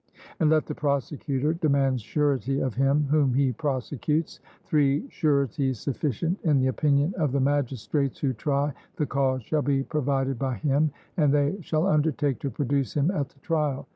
And let the prosecutor demand surety of him whom he prosecutes; three sureties sufficient in the opinion of the magistrates who try the cause shall be provided by him, and they shall undertake to produce him at the trial.